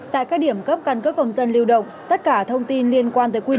tại các điểm cấp căn cước công dân lưu động tất cả thông tin liên quan tới quy định